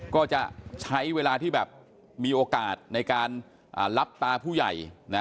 ก็จะใช้เวลาที่แบบมีโอกาสในการรับตาผู้ใหญ่